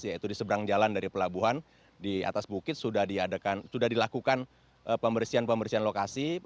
yaitu di seberang jalan dari pelabuhan di atas bukit sudah dilakukan pembersihan pembersihan lokasi